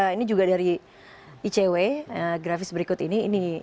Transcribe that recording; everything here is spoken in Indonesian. ini juga dari icw grafis berikut ini